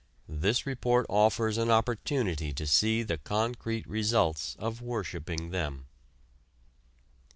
This report offers an opportunity to see the concrete results of worshiping them.